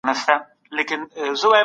هغه څوک چي ډېر لولي ښه استدلال کولای سي.